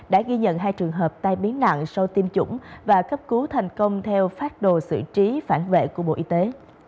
đã ghi nhận hai trường hợp tai biến nặng sau tiêm chủng và cấp cứu thành công theo phát đồ sử trí phản vệ của bộ y tế